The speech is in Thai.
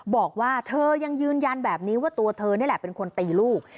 บอกว่าเธอยังยืนยันแบบนี้ว่าตัวเธอนี่แหละเป็นคนตีลูก